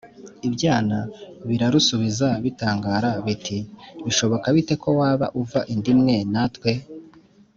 ibyana birarusubiza bitangara biti «bishoboka bite ko waba uva inda imwe na twe?»